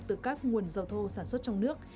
từ các nguồn dầu thô sản xuất trong nước